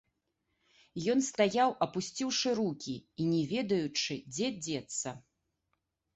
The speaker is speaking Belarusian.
Ён стаяў апусціўшы рукі і не ведаючы, дзе дзецца.